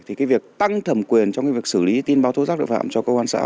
thì việc tăng thẩm quyền trong việc xử lý tin báo tố rác tội phạm cho công an xã